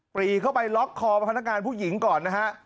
ปรีเข้าไปล็อกคอพนักงานผู้หญิงก่อนนะฮะ